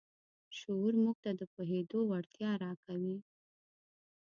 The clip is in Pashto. شعور موږ ته د پوهېدو وړتیا راکوي.